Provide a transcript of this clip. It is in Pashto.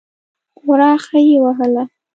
خورا ښه یې وهله.